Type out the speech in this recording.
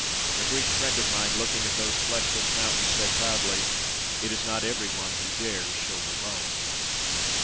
A Greek friend of mine, looking at these fleshless mountains, said proudly, 'It is not every one who dares show her bones.'